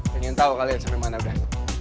pengen tau kalian sampe mana udah